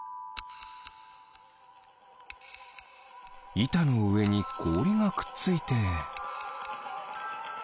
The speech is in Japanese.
いたのうえにこおりがくっついて。